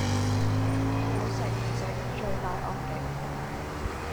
有食唔食，罪大惡極